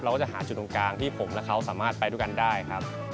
ก็จะหาจุดตรงกลางที่ผมและเขาสามารถไปด้วยกันได้ครับ